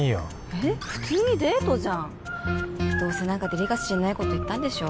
えっ普通にデートじゃんどうせ何かデリカシーないこと言ったんでしょ？